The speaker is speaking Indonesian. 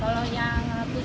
kalau yang rp enam ratus